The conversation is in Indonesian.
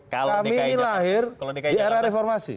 kami ini lahir di era reformasi